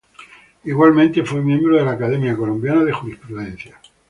Igualmente, fue miembro de la Academia Colombiana de Jurisprudencia.